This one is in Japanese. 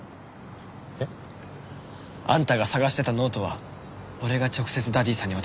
えっ？あんたが捜してたノートは俺が直接ダディさんに渡す。